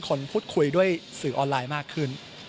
คนพูดคุยด้วยสื่อออนไลน์มากขึ้น